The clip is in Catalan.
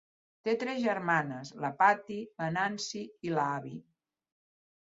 Té tres germanes, la Patty, la Nancy i l"Abby.